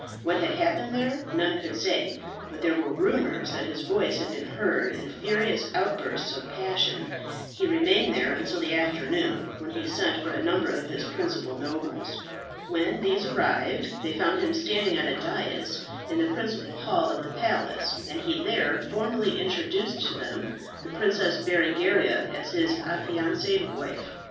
What had happened there none could say, but there were rumours that his voice had been heard in furious outbursts of passion. He remained there until the afternoon, when he sent for a number of his principal nobles. When these arrived, they found him standing on a da‹s in the principal hall of the palace, and he there formally introduced to them the Princess Berengaria as his affianced wife.